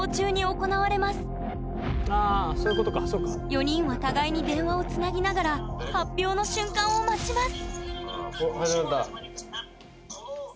４人は互いに電話をつなぎながら発表の瞬間を待ちます